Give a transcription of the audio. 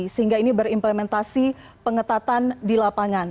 sehingga ini berimplementasi pengetatan di lapangan